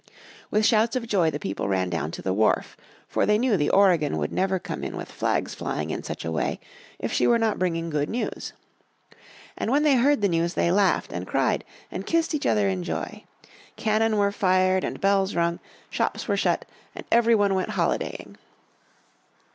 With shouts of joy the people ran down to the wharf for they knew the Oregon would never come in with flags flying in such a way if she were not bringing good news. And when they heard the news they laughed, and cried, and kissed each other in joy. Cannon were fired and bells rung, shops were shut, and every one went holidaying.